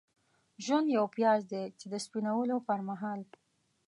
ژوند یو پیاز دی چې د سپینولو پرمهال.